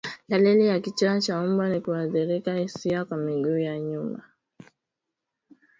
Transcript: Dalili ya kichaa cha mbwa ni kuathirika hisia kwa miguu ya nyuma